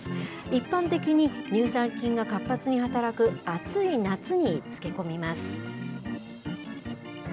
一般的に、乳酸菌が活発に働く暑い夏に漬け込みます。